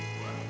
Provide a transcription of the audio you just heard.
naik lagi dong